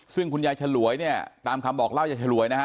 ซึ่งคุณยายฉลวยเนี่ยตามคำบอกเล่ายายฉลวยนะฮะ